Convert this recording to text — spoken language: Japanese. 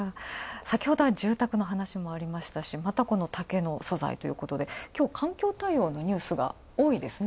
先ほどは住宅の話もありましたし、この竹の素材ということで、きょう環境対応のニュースが多いですね。